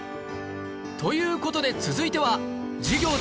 という事で続いては授業で